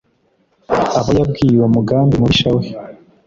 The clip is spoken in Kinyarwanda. Abo yabwiye uwo mugambi mubisha we